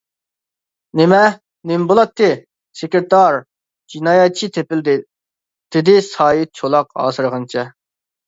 -نېمە. نېمە بولاتتى، سېكرېتار. جىنايەتچى تېپىلدى-دېدى سايىت چولاق ھاسىرىغىنىچە.